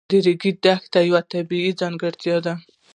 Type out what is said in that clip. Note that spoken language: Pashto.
د ریګ دښتې یوه طبیعي ځانګړتیا ده.